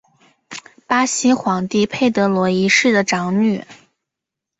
巴西皇帝佩德罗一世的长女。